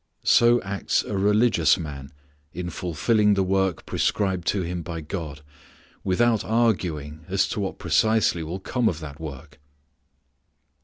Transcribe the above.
So acts a religious man in fulfilling the work prescribed to him by God, without arguing as to what precisely will come of that work.